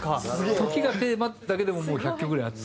「時」がテーマっていうだけでももう１００曲ぐらいあって。